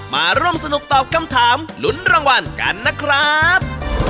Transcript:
มาร่วมสนุกตอบคำถามหลุ้นรางวัลกันนะครับ